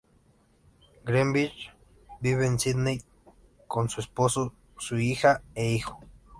Grenville vive en Sídney con su esposo, su hija e hijo.